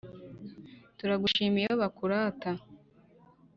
Turagushima iyo bakurata